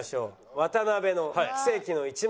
渡辺の奇跡の１枚。